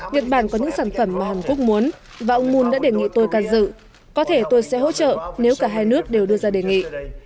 nhật bản có những sản phẩm mà hàn quốc muốn và ông moon đã đề nghị tôi can dự có thể tôi sẽ hỗ trợ nếu cả hai nước đều đưa ra đề nghị